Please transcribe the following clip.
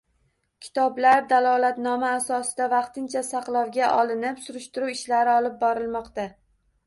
Kitoblar dalolatnoma asosida vaqtincha saqlovga olinib, surishtiruv ishlari olib borilmoqda